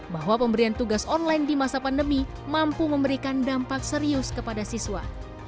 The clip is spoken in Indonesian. bahwa pemberian tugas online di masa pandemi mampu memberikan dampak serius kepada siswa